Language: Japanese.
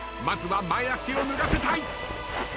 まずは前足を脱がせたい。